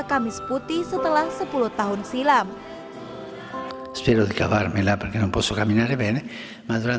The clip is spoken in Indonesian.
kamis putih setelah sepuluh tahun silam setelah dikawal melaporkan posok aminah repede madura